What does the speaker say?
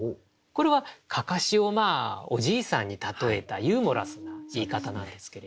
これは案山子をおじいさんに例えたユーモラスな言い方なんですけれど。